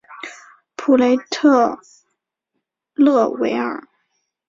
普雷特勒维尔。